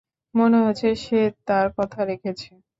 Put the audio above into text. মনে হচ্ছে সে তার কথা রেখেছে।